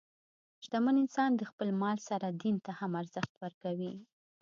شتمن انسان د خپل مال سره دین ته هم ارزښت ورکوي.